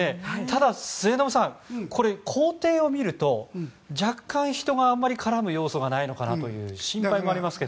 ただ、末延さんこれ、工程を見ると若干、人があまり絡む要素がないのかなという心配もありますが。